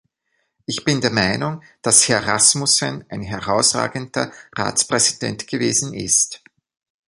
Ich bin der Meinung, dass Herr Rasmussen ein herausragender Ratspräsident gewesen ist.